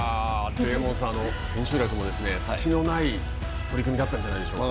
デーモンさん、千秋楽も隙のない取組だったんじゃないでしょうか。